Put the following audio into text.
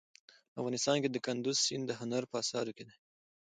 افغانستان کې کندز سیند د هنر په اثار کې دی.